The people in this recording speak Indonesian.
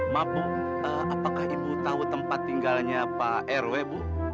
mabuk apakah ibu tahu tempat tinggalnya pak rw bu